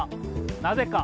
なぜか？